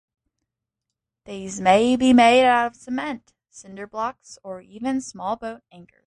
These may be made out of cement, cinder blocks, or even small boat anchors.